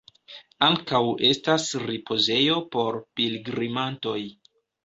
Ankaŭ estas ripozejo por pilgrimantoj.